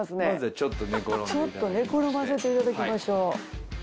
ちょっと寝転ばせていただきましょう。